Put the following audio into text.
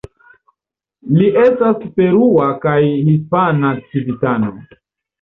Li estas perua kaj hispana civitano.